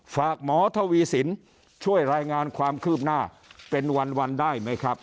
ฝากหมอทวีสินช่วยรายงานความคืบหน้าเป็นวันได้ไหมครับ